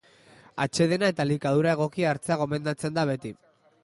Atsedena eta elikadura egokia hartzea gomendatzen da beti.